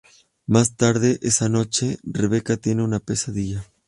Más tarde esa noche, Rebecca tiene una pesadilla.